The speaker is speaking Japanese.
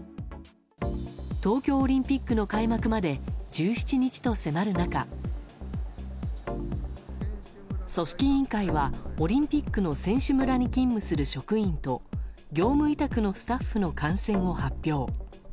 東京オリンピックの開幕まで１７日と迫る中組織委員会は、オリンピックの選手村に勤務する職員と業務委託のスタッフの感染を発表。